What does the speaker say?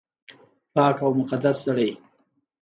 پاک او مقدس سړی